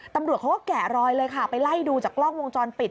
ตำรวจเขาก็แกะรอยเลยค่ะไปไล่ดูจากกล้องวงจรปิด